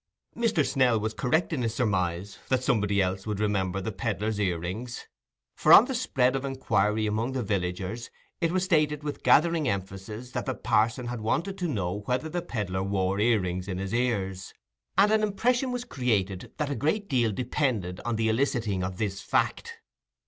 Mr. Snell was correct in his surmise, that somebody else would remember the pedlar's ear rings. For on the spread of inquiry among the villagers it was stated with gathering emphasis, that the parson had wanted to know whether the pedlar wore ear rings in his ears, and an impression was created that a great deal depended on the eliciting of this fact.